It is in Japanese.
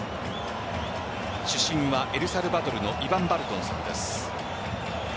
主審はエルサルバドルのイヴァン・バルトンさんです。